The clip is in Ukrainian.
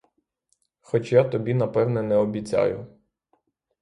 Хоч я тобі напевне не обіцяю.